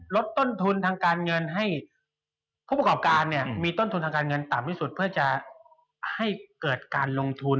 ลดต้นทุนทางการเงินให้ผู้ประกอบการเนี่ยมีต้นทุนทางการเงินต่ำที่สุดเพื่อจะให้เกิดการลงทุน